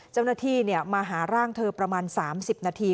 เจ้าหน้าที่เนี่ยมาหาร่างเธอประมาณสามสิบนาที